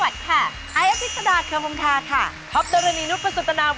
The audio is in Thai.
จะมีเกรนเป็นไม้ไม่รู้ตัว